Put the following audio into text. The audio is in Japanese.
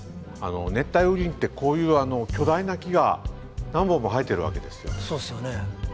熱帯雨林ってこういう巨大な木が何本も生えてるわけですよ。